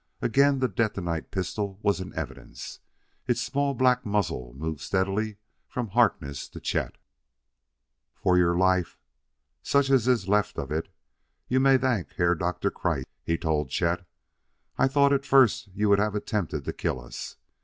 Again the detonite pistol was in evidence; its small black muzzle moved steadily from Harkness to Chet. "For your life such as is left of it you may thank Herr Doktor Kreiss," he told Chet. "I thought at first you would have attempted to kill us."